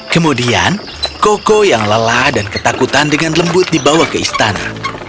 kemudian koko yang lelah dan ketakutan dengan lembut dibawa ke istana